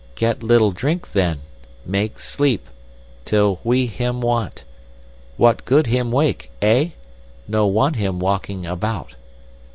Get little drink then—make sleep—till we him want. What good him wake, eh? No want him walking about.